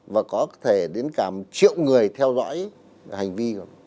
và có thể đến cả một triệu người theo dõi hành vi của